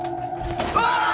うわーっ！